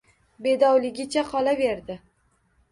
Bedovligicha qolaverdi